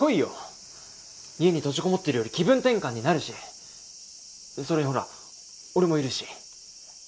家に閉じ籠もってるより気分転換になるしそれにほら俺もいるし。